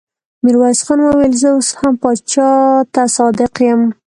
ميرويس خان وويل: زه اوس هم پاچا ته صادق يم.